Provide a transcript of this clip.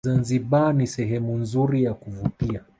zanzibar ni sehemu nzuri ya kuvutia